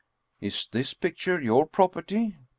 " Is this picture your property